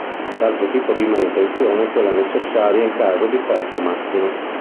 L'altro tipo di manutenzione è quella necessaria in caso di fermo macchina.